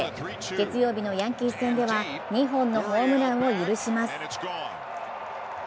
月曜日のヤンキース戦では２本のホームランを許します。